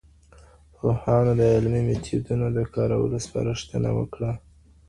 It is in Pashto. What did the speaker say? پوهانو د علمي میتودونو د کارولو سپارښتنه وکړه.